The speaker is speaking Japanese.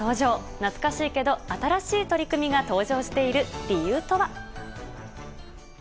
懐かしいけど新しい取り組みが登場している理由とは。